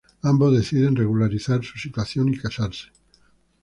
Ambos deciden regularizar su situación y casarse.